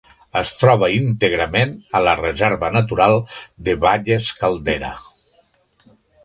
Es troba íntegrament a la Reserva Natural de Valles Caldera.